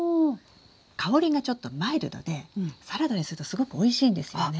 香りがちょっとマイルドでサラダにするとすごくおいしいんですよね。